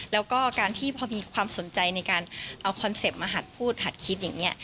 แล้วก็การที่พอมีความสนใจในการเอาคอนเซ็ปต์มาหัดพูดหัดคิดอย่างนี้